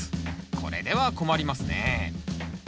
これでは困りますね